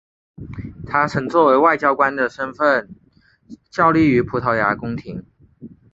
他曾作为外交家的身份效力于葡萄牙宫廷。